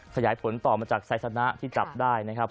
ขยายผลต่อมาจากไซสนะที่จับได้นะครับ